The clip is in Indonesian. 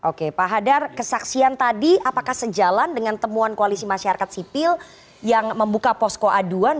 oke pak hadar kesaksian tadi apakah sejalan dengan temuan koalisi masyarakat sipil yang membuka posko aduan